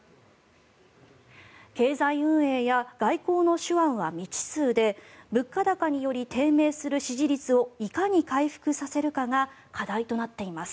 経済運営や外交の手腕は未知数で物価高により低迷する支持率をいかに回復させるかが課題となっています。